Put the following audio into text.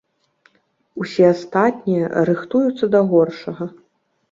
Усе астатнія рыхтуюцца да горшага.